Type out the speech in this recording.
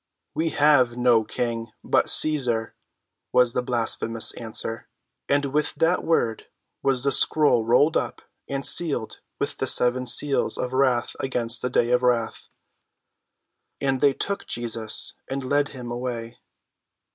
"We have no king but Cæsar!" was the blasphemous answer. And with that word was the scroll rolled up and sealed with the seven seals of wrath against the day of wrath. And they took Jesus and led him away.